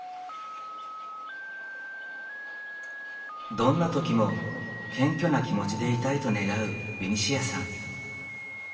どんな時も謙虚な気持ちでいたいと願うベニシアさん。